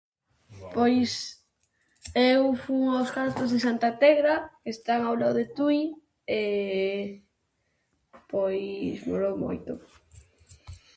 Pois, eu fun ao castros de Santa Tegra, están ao lado de Tui. Pois, molou moito.